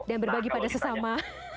dan berbagi pada sesama